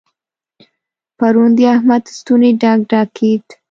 پرون د احمد ستونی ډک ډک کېد.